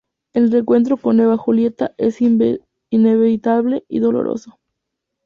El reencuentro con Eva Julieta es inevitable y doloroso.